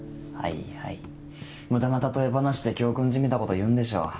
はいはい無駄な例え話で教訓じみたこと言うんでしょ。